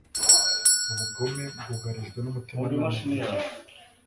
ubugome bwugarijwe n'umutimanama buri gihe